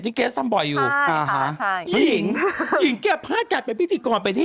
ภาพภูมิกับมิวต้องเต้นด้วย